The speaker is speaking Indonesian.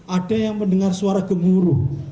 ada yang mendengar suara gemuruh